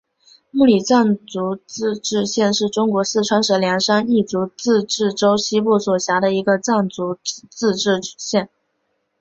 木里藏族自治县是中国四川省凉山彝族自治州西部所辖的一个藏族自治县。